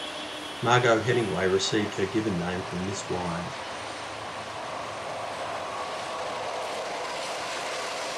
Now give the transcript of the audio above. Margaux Hemingway received her given name from this wine.